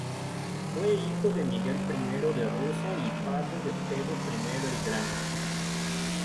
Fue hijo de Miguel I de Rusia y padre de Pedro I el Grande.